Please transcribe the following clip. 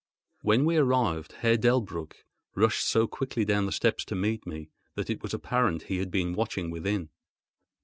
When we arrived, Herr Delbrück rushed so quickly down the steps to meet me, that it was apparent he had been watching within.